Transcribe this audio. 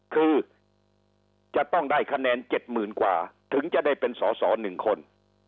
คือจะต้องได้คะแนน๗๐๐๐กว่าถึงจะได้เป็นสอสอ๑คน